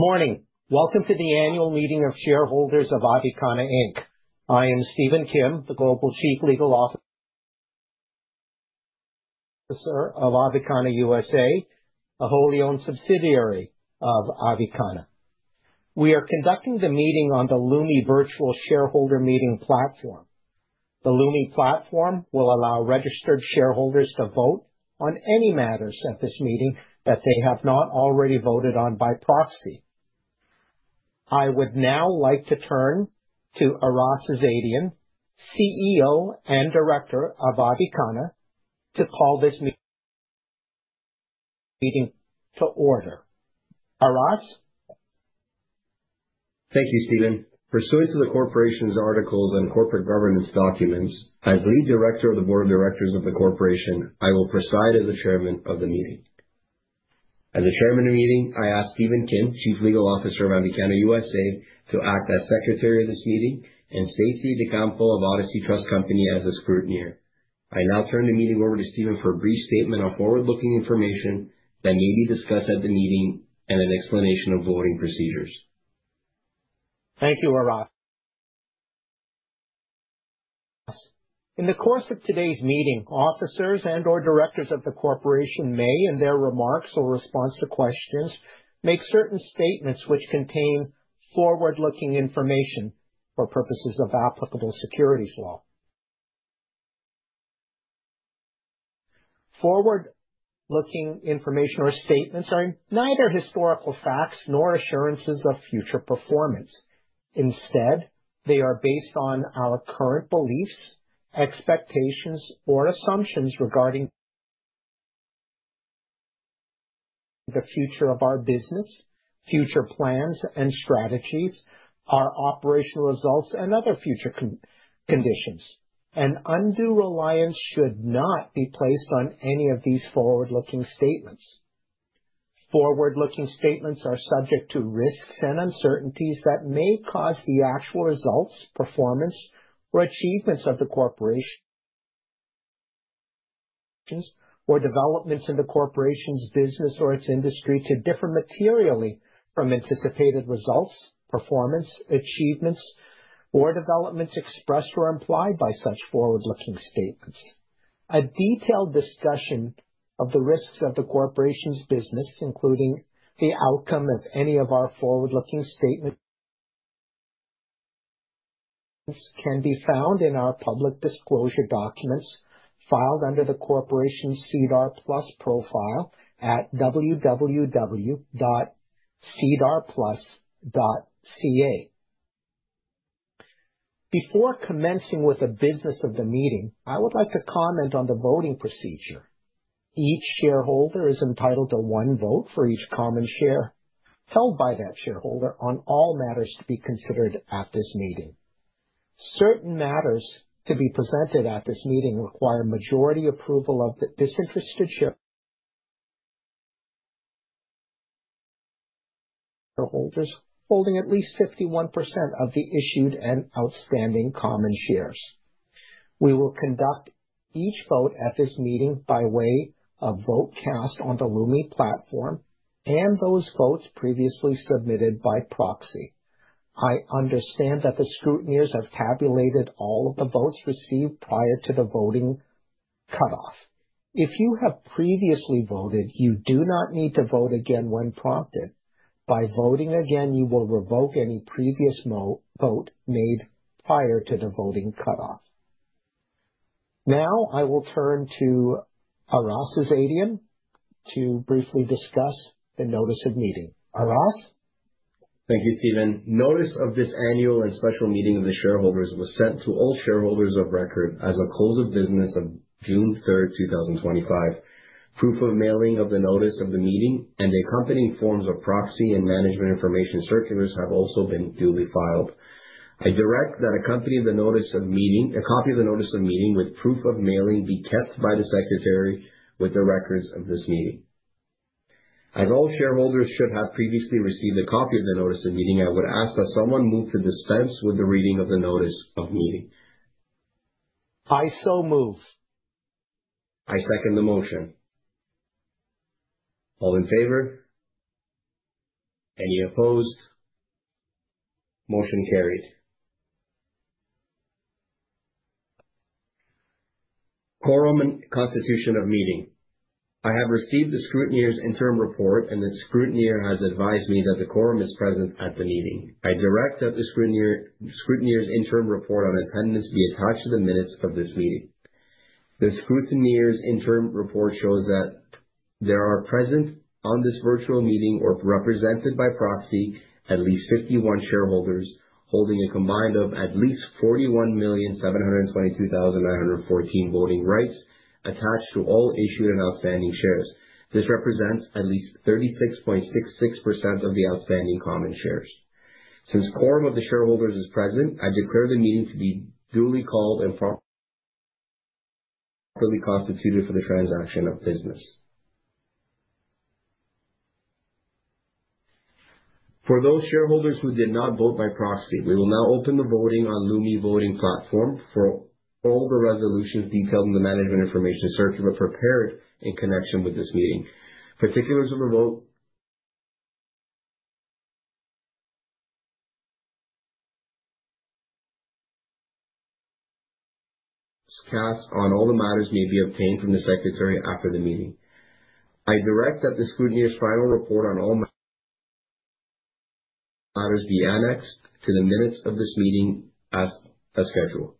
Good morning. Welcome to the Annual Meeting of Shareholders of Avicanna Inc. I am Stephen Kim, the Global Chief Legal Officer of Avicanna USA, a wholly owned subsidiary of Avicanna. We are conducting the meeting on the Lumi virtual shareholder meeting platform. The Lumi platform will allow registered shareholders to vote on any matters at this meeting that they have not already voted on by proxy. I would now like to turn to Aras Azadian, CEO and Director of Avicanna, to call this meeting to order. Aras. Thank you, Stephen. Pursuant to the corporation's articles and corporate governance documents, as Lead Director of the Board of Directors of the corporation, I will preside as the Chairman of the meeting. As the Chairman of the meeting, I ask Stephen Kim, Chief Legal Officer of Avicanna USA, to act as Secretary of this meeting and Stacy DeCamp of Odyssey Trust Company as a scrutineer. I now turn the meeting over to Stephen for a brief statement on forward-looking information that may be discussed at the meeting and an explanation of voting procedures. Thank you, Aras. In the course of today's meeting, officers and/or directors of the corporation may, in their remarks or response to questions, make certain statements which contain forward-looking information for purposes of applicable securities law. Forward-looking information or statements are neither historical facts nor assurances of future performance. Instead, they are based on our current beliefs, expectations or assumptions regarding the future of our business, future plans and strategies, our operational results and other future conditions. Undue reliance should not be placed on any of these forward-looking statements. Forward-looking statements are subject to risks and uncertainties that may cause the actual results, performance, or achievements of the corporation, or developments in the corporation's business or its industry to differ materially from anticipated results, performance, achievements, or developments expressed or implied by such forward-looking statements. A detailed discussion of the risks of the corporation's business, including the outcome of any of our forward-looking statements, can be found in our public disclosure documents filed under the corporation's SEDAR+ profile at www.sedarplus.ca. Before commencing with the business of the meeting, I would like to comment on the voting procedure. Each shareholder is entitled to one vote for each common share held by that shareholder on all matters to be considered at this meeting. Certain matters to be presented at this meeting require majority approval of the disinterested shareholders holding at least 51% of the issued and outstanding common shares. We will conduct each vote at this meeting by way of vote cast on the Lumi platform and those votes previously submitted by proxy. I understand that the scrutineers have tabulated all of the votes received prior to the voting cutoff. If you have previously voted, you do not need to vote again when prompted. By voting again, you will revoke any previous vote made prior to the voting cutoff. Now I will turn to Aras Azadian to briefly discuss the notice of meeting. Aras. Thank you, Stephen. Notice of this annual and special meeting of the shareholders was sent to all shareholders of record as of close of business on June third, 2025. Proof of mailing of the notice of the meeting and accompanying forms of proxy and management information circulars have also been duly filed. I direct that a copy of the notice of meeting with proof of mailing be kept by the Secretary with the records of this meeting. As all shareholders should have previously received a copy of the notice of meeting, I would ask that someone move to dispense with the reading of the notice of meeting. I so move. I second the motion. All in favor? Any opposed? Motion carries. Quorum and constitution of meeting. I have received the scrutineer's interim report, and the scrutineer has advised me that the quorum is present at the meeting. I direct that the scrutineer's interim report on attendance be attached to the minutes of this meeting. The scrutineer's interim report shows that there are present on this virtual meeting, or represented by proxy, at least 51 shareholders holding a combined of at least 41,722,914 voting rights attached to all issued and outstanding shares. This represents at least 36.66% of the outstanding common shares. Since quorum of the shareholders is present, I declare the meeting to be duly called and properly constituted for the transaction of business. For those shareholders who did not vote by proxy, we will now open the voting on Lumi Voting Platform for all the resolutions detailed in the management information circular prepared in connection with this meeting. Particulars of votes cast on all the matters may be obtained from the secretary after the meeting. I direct that the scrutineer's final report on all matters be annexed to the minutes of this meeting as scheduled.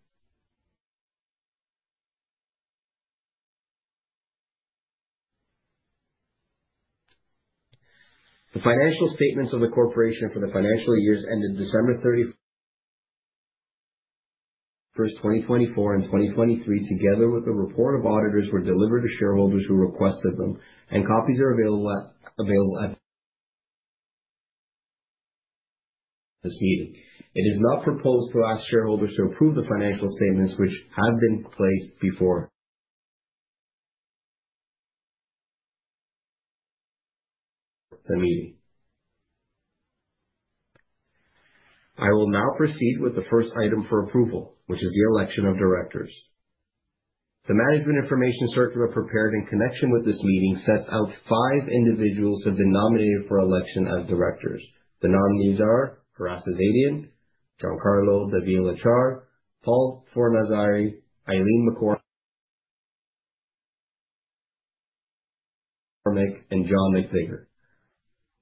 The financial statements of the corporation for the financial years ended December 31st, 2024 and 2023, together with a report of auditors were delivered to shareholders who requested them, and copies are available at this meeting. It is not proposed to ask shareholders to approve the financial statements which have been placed before the meeting. I will now proceed with the first item for approval, which is the election of directors. The management information circular prepared in connection with this meeting sets out five individuals who have been nominated for election as directors. The nominees are Aras Azadian, Giancarlo Davila Char, Paul Fornazzari, Eileen McCormack, and John McVicar.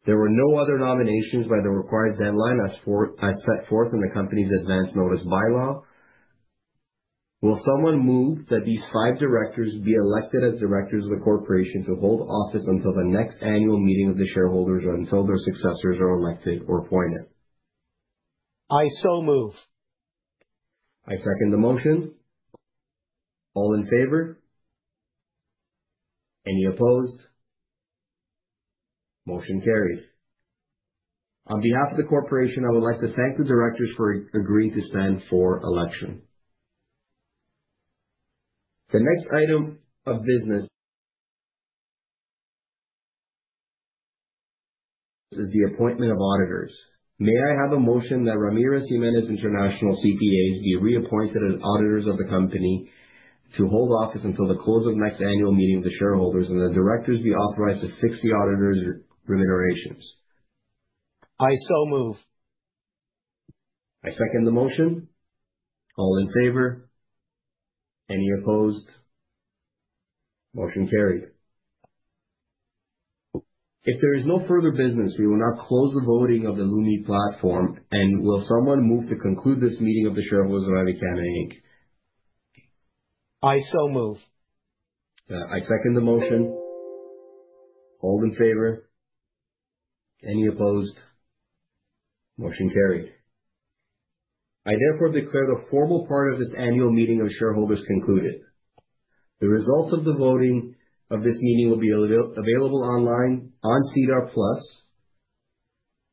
There were no other nominations by the required deadline as set forth in the company's advance notice bylaw. Will someone move that these five directors be elected as directors of the corporation to hold office until the next annual meeting of the shareholders or until their successors are elected or appointed? I so move. I second the motion. All in favor? Any opposed? Motion carries. On behalf of the corporation, I would like to thank the directors for agreeing to stand for election. The next item of business is the appointment of auditors. May I have a motion that Ramirez Jimenez International CPAs be reappointed as auditors of the company to hold office until the close of next annual meeting of the shareholders and the directors be authorized to fix the auditors' remunerations. I so move. I second the motion. All in favor? Any opposed? Motion carried. If there is no further business, we will now close the voting of the Lumi platform. Will someone move to conclude this meeting of the shareholders of Avicanna Inc? I so move. I second the motion. All in favor? Any opposed? Motion carried. I therefore declare the formal part of this annual meeting of shareholders concluded. The results of the voting of this meeting will be available online on SEDAR+.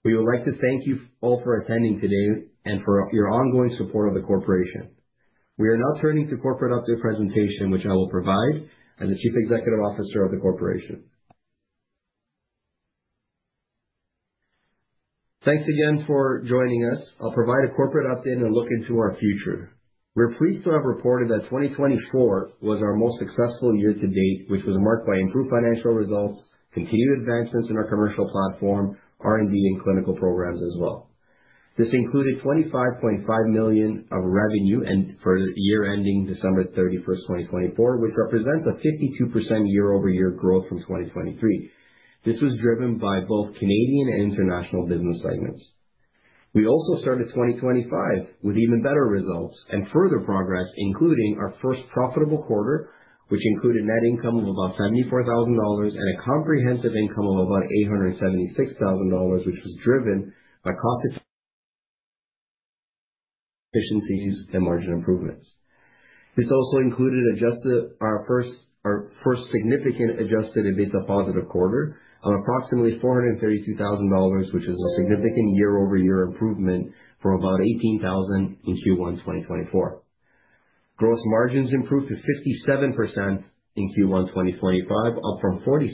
We would like to thank you all for attending today and for your ongoing support of the corporation. We are now turning to corporate update presentation, which I will provide as the Chief Executive Officer of the corporation. Thanks again for joining us. I'll provide a corporate update and a look into our future. We're pleased to have reported that 2024 was our most successful year-to-date, which was marked by improved financial results, continued advancements in our commercial platform, R&D, and clinical programs as well. This included 25.5 million of revenue for the year ending December 31, 2024, which represents a 52% year-over-year growth from 2023. This was driven by both Canadian and international business segments. We also started 2025 with even better results and further progress, including our first profitable quarter, which included net income of about 74,000 dollars and a comprehensive income of about 876,000 dollars, which was driven by cost efficiencies and margin improvements. This also included our first significant adjusted EBITDA positive quarter of approximately 432,000 dollars, which is a significant year-over-year improvement from about 18,000 in Q1 2024. Gross margins improved to 57% in Q1 2025, up from 46%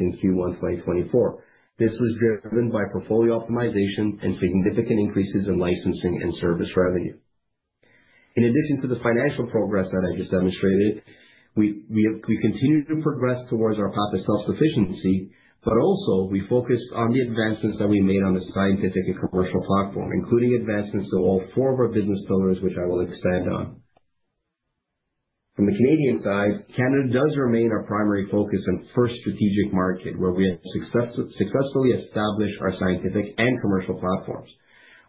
in Q1 2024. This was driven by portfolio optimization and significant increases in licensing and service revenue. In addition to the financial progress that I just demonstrated, we continue to progress towards our path to self-sufficiency, but also we focused on the advancements that we made on the scientific and commercial platform, including advancements to all four of our business pillars, which I will expand on. From the Canadian side, Canada does remain our primary focus and first strategic market, where we have successfully established our scientific and commercial platforms.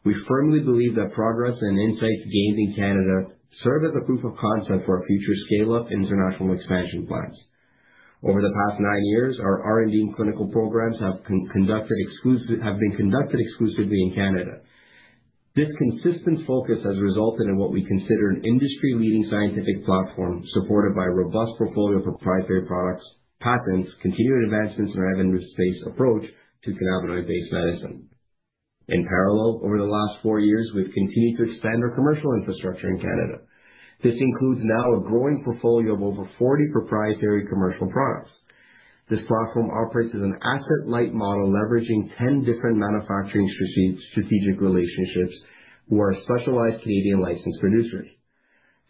We firmly believe that progress and insights gained in Canada serve as a proof of concept for our future scale-up and international expansion plans. Over the past nine years, our R&D and clinical programs have been conducted exclusively in Canada. This consistent focus has resulted in what we consider an industry-leading scientific platform supported by a robust portfolio of proprietary products, patents, continued advancements in our evidence-based approach to cannabinoid-based medicine. In parallel, over the last four years, we've continued to expand our commercial infrastructure in Canada. This includes now a growing portfolio of over 40 proprietary commercial products. This platform operates as an asset-light model, leveraging 10 different manufacturing strategic relationships who are specialized Canadian licensed producers.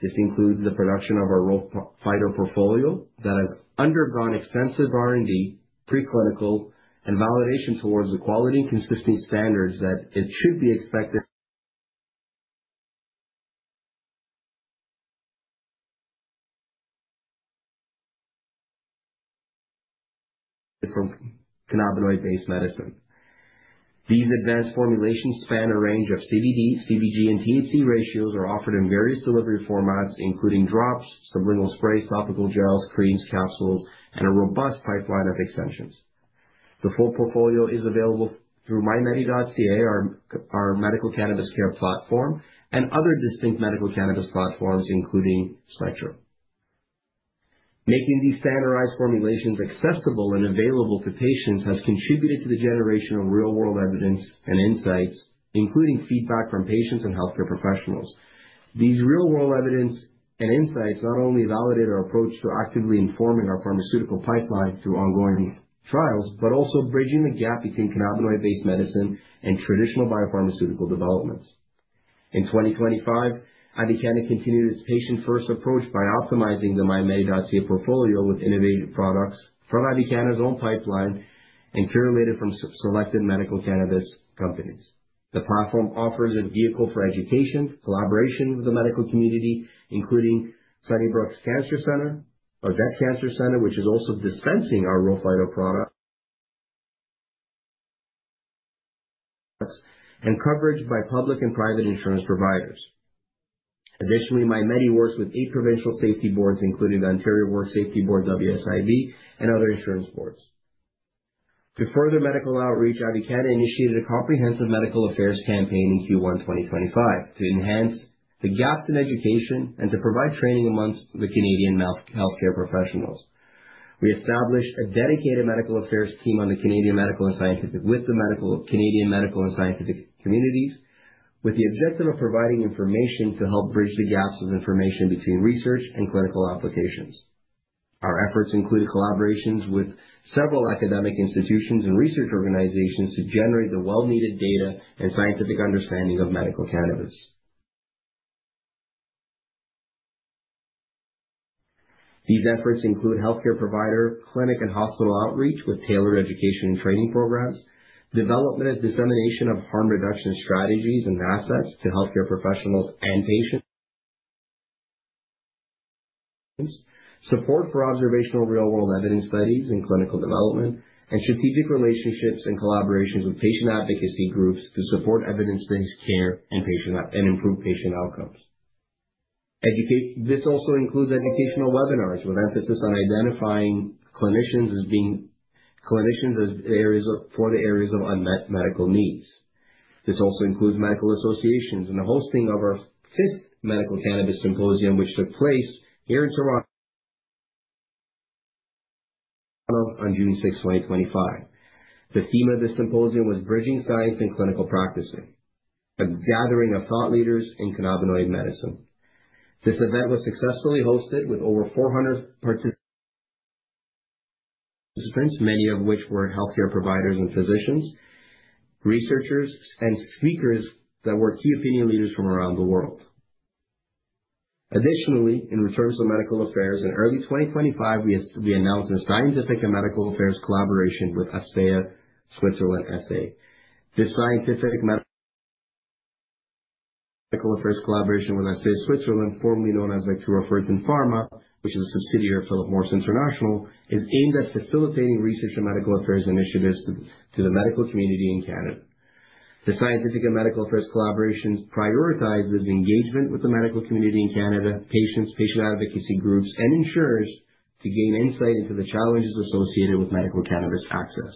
This includes the production of our RHO Phyto portfolio that has undergone extensive R&D, preclinical, and validation towards the quality and consistency standards that it should be expected from cannabinoid-based medicine. These advanced formulations span a range of CBD, CBG, and THC ratios, are offered in various delivery formats including drops, sublingual sprays, topical gels, creams, capsules, and a robust pipeline of extensions. The full portfolio is available through MyMedi.ca, our medical cannabis care platform, and other distinct medical cannabis platforms, including Spectra. Making these standardized formulations accessible and available to patients has contributed to the generation of real-world evidence and insights, including feedback from patients and healthcare professionals. These real-world evidence and insights not only validate our approach to actively informing our pharmaceutical pipeline through ongoing trials, but also bridging the gap between cannabinoid-based medicine and traditional biopharmaceutical developments. In 2025, Avicanna continued its patient-first approach by optimizing the MyMedi.ca portfolio with innovative products from Avicanna's own pipeline and curated from selected medical cannabis companies. The platform offers a vehicle for education, collaboration with the medical community, including Sunnybrook's Cancer Center, Odette Cancer Centre, which is also dispensing our RHO Phyto products, and coverage by public and private insurance providers. Additionally, MyMedi works with eight provincial safety boards, including the Workplace Safety and Insurance Board, WSIB, and other insurance boards. To further medical outreach, Avicanna initiated a comprehensive medical affairs campaign in Q1 2025 to enhance the gaps in education and to provide training amongst the Canadian healthcare professionals. We established a dedicated medical affairs team with the Canadian medical and scientific communities with the objective of providing information to help bridge the gaps of information between research and clinical applications. Our efforts include collaborations with several academic institutions and research organizations to generate the well-needed data and scientific understanding of medical cannabis. These efforts include healthcare provider, clinic, and hospital outreach with tailored education and training programs, development and dissemination of harm reduction strategies and assets to healthcare professionals and patients, support for observational real-world evidence studies and clinical development, and strategic relationships and collaborations with patient advocacy groups to support evidence-based care and improve patient outcomes. This also includes educational webinars with emphasis on identifying clinicians for the areas of unmet medical needs. This also includes medical associations and the hosting of our fifth medical cannabis symposium, which took place here in Toronto on June 6, 2025. The theme of this symposium was Bridging Science and Clinical Practice, a gathering of thought leaders in cannabinoid medicine. This event was successfully hosted with over 400 participants, many of which were healthcare providers and physicians, researchers, and speakers that were key opinion leaders from around the world. Additionally, in service of medical affairs, in early 2025, we announced a scientific and medical affairs collaboration with Aspeya Switzerland SA. This scientific medical affairs collaboration with Aspeya Switzerland, formerly known as Vectura Fertin Pharma, which is a subsidiary of Philip Morris International, is aimed at facilitating research and medical affairs initiatives to the medical community in Canada. The scientific and medical affairs collaborations prioritizes engagement with the medical community in Canada, patients, patient advocacy groups, and insurers to gain insight into the challenges associated with medical cannabis access.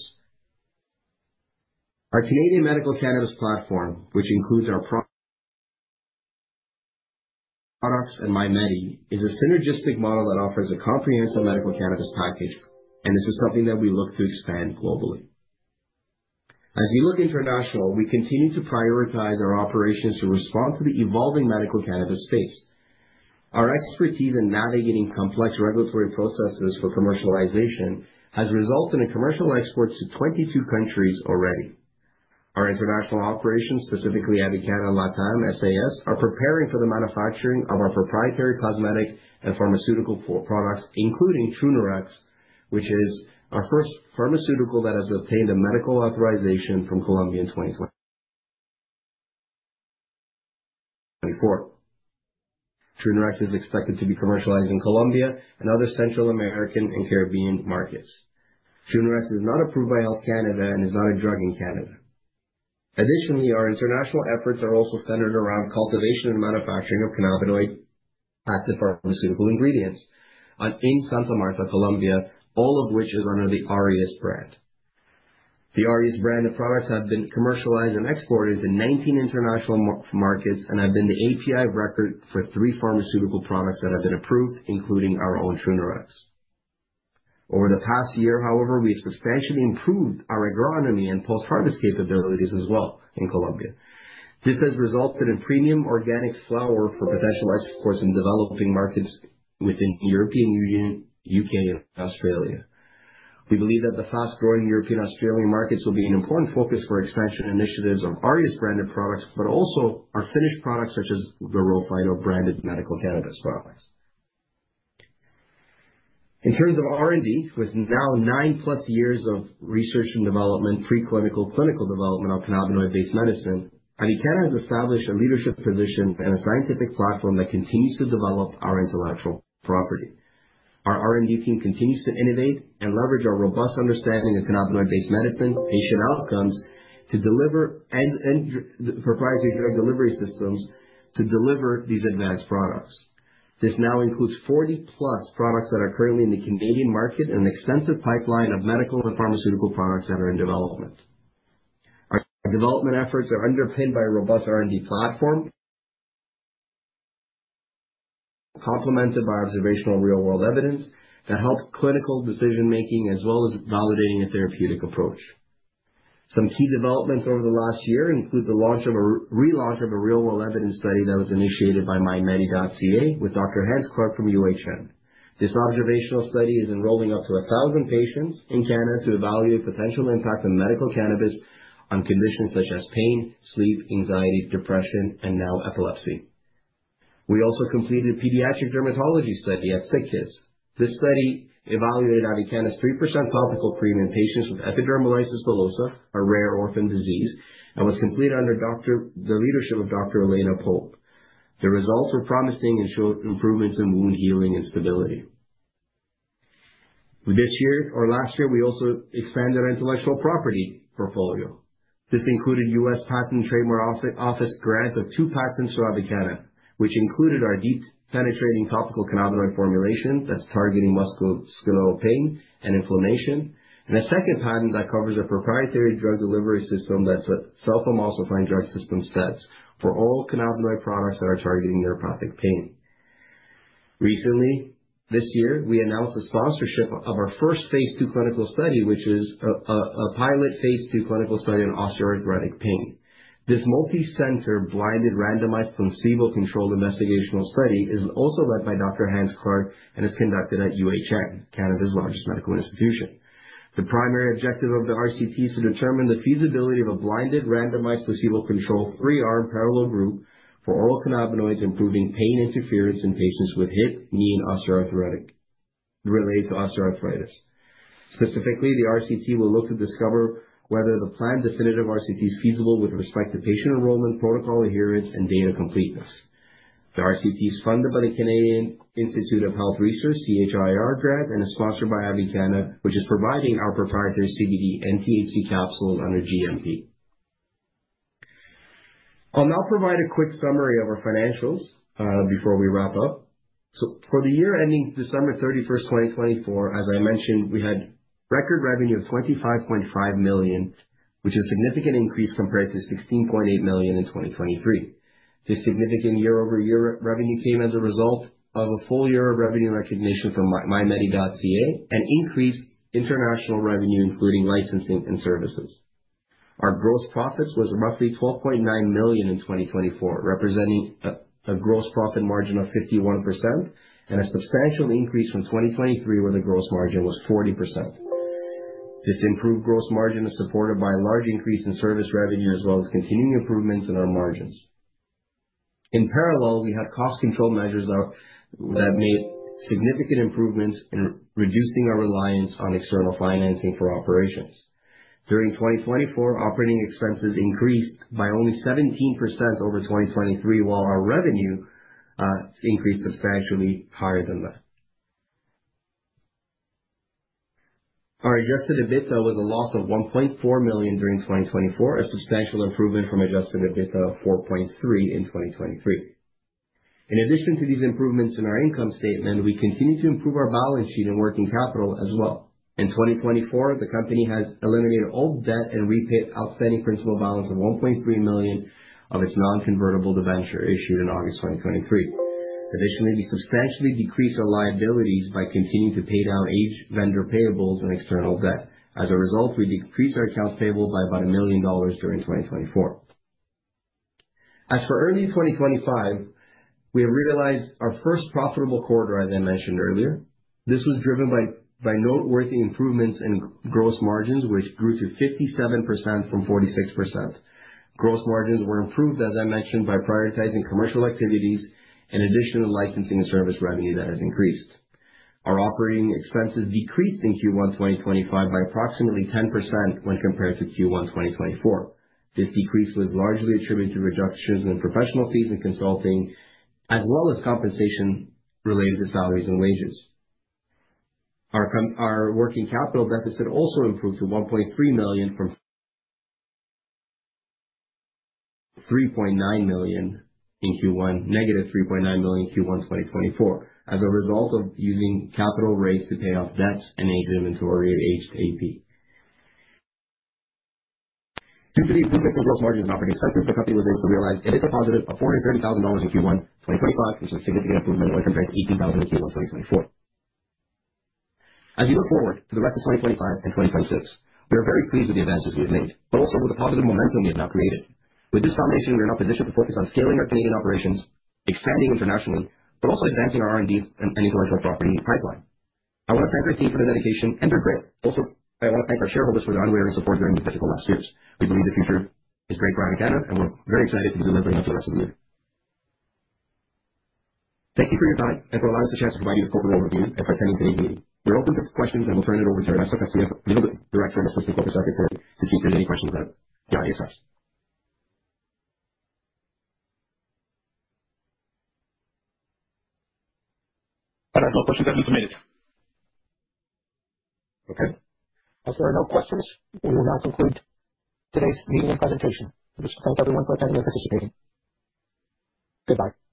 Our Canadian medical cannabis platform, which includes our products and MyMedi.ca, is a synergistic model that offers a comprehensive medical cannabis package, and this is something that we look to expand globally. As we look international, we continue to prioritize our operations to respond to the evolving medical cannabis space. Our expertise in navigating complex regulatory processes for commercialization has resulted in commercial exports to 22 countries already. Our international operations, specifically Avicanna LATAM SAS, are preparing for the manufacturing of our proprietary cosmetic and pharmaceutical products, including Trunerox, which is our first pharmaceutical that has obtained a medical authorization from Colombia in 2024. Trunerox is expected to be commercialized in Colombia and other Central American and Caribbean markets. Trunerox is not approved by Health Canada and is not a drug in Canada. Our international efforts are also centered around cultivation and manufacturing of cannabinoid active pharmaceutical ingredients in Santa Marta, Colombia, all of which is under the Aureus brand. The Aureus brand of products have been commercialized and exported to 19 international markets and have been the API of record for three pharmaceutical products that have been approved, including our own Trunerox. Over the past year, however, we've substantially improved our agronomy and post-harvest capabilities as well in Colombia. This has resulted in premium organic flower for potential exports in developing markets within the European Union, U.K., and Australia. We believe that the fast-growing European and Australian markets will be an important focus for expansion initiatives of Aureus-branded products, but also our finished products such as the RHO Phyto-branded medical cannabis products. In terms of R&D, with now nine plus years of research and development, preclinical, clinical development of cannabinoid-based medicine, Avicanna has established a leadership position and a scientific platform that continues to develop our intellectual property. Our R&D team continues to innovate and leverage our robust understanding of cannabinoid-based medicine, patient outcomes, and proprietary drug delivery systems to deliver these advanced products. This now includes 40+ products that are currently in the Canadian market and an extensive pipeline of medical and pharmaceutical products that are in development. Our development efforts are underpinned by a robust R&D platform, complemented by observational real-world evidence that help clinical decision-making as well as validating a therapeutic approach. Some key developments over the last year include the relaunch of a real-world evidence study that was initiated by MyMedi.ca with Dr. Hance Clarke from UHN. This observational study is enrolling up to 1,000 patients in Canada to evaluate potential impact of medical cannabis on conditions such as pain, sleep, anxiety, depression, and now epilepsy. We also completed pediatric dermatology study at SickKids. This study evaluated Avicanna's 3% topical cream in patients with epidermolysis bullosa, a rare orphan disease, and was completed under the leadership of Dr. Elena Pope. The results were promising and showed improvements in wound healing and stability. This year or last year, we also expanded our intellectual property portfolio. This included U.S. Patent and Trademark Office grant of two patents to Avicanna, which included our deep penetrating topical cannabinoid formulation that's targeting musculoskeletal pain and inflammation, and a second patent that covers a proprietary drug delivery system that's a self-emulsifying drug system, SEDDS, for all cannabinoid products that are targeting neuropathic pain. Recently, this year, we announced the sponsorship of our first phase II clinical study, which is a pilot phase II clinical study on osteoarthritic pain. This multi-center, blinded, randomized, placebo-controlled investigational study is also led by Dr. Hance Clarke and is conducted at UHN, Canada's largest medical institution. The primary objective of the RCT is to determine the feasibility of a blinded, randomized, placebo-controlled, three-arm parallel group for oral cannabinoids, improving pain interference in patients with hip, knee, and osteoarthritic related to osteoarthritis. Specifically, the RCT will look to discover whether the planned definitive RCT is feasible with respect to patient enrollment, protocol adherence, and data completeness. The RCT is funded by the Canadian Institutes of Health Research, CIHR grant, and is sponsored by Avicanna, which is providing our proprietary CBD and THC capsules under GMP. I'll now provide a quick summary of our financials, before we wrap-up. For the year ending December 31st, 2024, as I mentioned, we had record revenue of 25.5 million, which is a significant increase compared to 16.8 million in 2023. This significant year-over-year revenue came as a result of a full year of revenue recognition from MyMedi.ca and increased international revenue, including licensing and services. Our gross profits was roughly 12.9 million in 2024, representing a gross profit margin of 51% and a substantial increase from 2023 when the gross margin was 40%. This improved gross margin is supported by a large increase in service revenue as well as continuing improvements in our margins. In parallel, we had cost control measures that made significant improvements in reducing our reliance on external financing for operations. During 2024, operating expenses increased by only 17% over 2023, while our revenue increased substantially higher than that. Our adjusted EBITDA was a loss of 1.4 million during 2024, a substantial improvement from adjusted EBITDA of 4.3 million in 2023. In addition to these improvements in our income statement, we continue to improve our balance sheet and working capital as well. In 2024, the company has eliminated all debt and repaid outstanding principal balance of 1.3 million of its non-convertible debenture issued in August 2023. Additionally, we substantially decreased our liabilities by continuing to pay down aged vendor payables and external debt. As a result, we decreased our accounts payable by about 1 million dollars during 2024. As for early 2025, we have realized our first profitable quarter, as I mentioned earlier. This was driven by noteworthy improvements in gross margins, which grew to 57% from 46%. Gross margins were improved, as I mentioned, by prioritizing commercial activities in addition to licensing and service revenue that has increased. Our operating expenses decreased in Q1 2025 by approximately 10% when compared to Q1 2024. This decrease was largely attributed to reductions in professional fees and consulting, as well as compensation related to salaries and wages. Our working capital deficit also improved to 1.3 million from -3.9 million in Q1 2024 as a result of using capital raised to pay off debts and inventory. [inaudible] Due to these improvements in gross margins and operating expenses, the company was able to realize an EBITDA positive of 430,000 dollars in Q1 2025. This is a significant improvement when compared to 18,000 in Q1 2024. As we look forward to the rest of 2025 and 2026, we are very pleased with the advances we have made, but also with the positive momentum we have now created. With this foundation, we are now positioned to focus on scaling our Canadian operations, expanding internationally, but also advancing our R&D and intellectual property pipeline. I want to thank our team for their dedication and their grit. Also, I want to thank our shareholders for their unwavering support during the difficult last years. We believe the future is bright for Avicanna, and we're very excited to deliver that to the rest of you. Thank you for your time and for allowing us the chance to provide you the corporate overview at our annual AGM. We're open to questions, and we'll turn it over to Vanessa Castillo, Director and Assistant Corporate Secretary to field any questions about the ISS. I have no questions at this minute. Okay. As there are no questions, we will now conclude today's meeting and presentation. I just thank everyone for attending and participating. Goodbye.